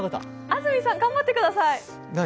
安住さん、頑張ってください何？